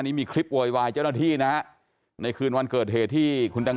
นี่มีคลิปโวยวายเจ้าหน้าที่นะในคืนวันเกิดเหตุที่คุณตัง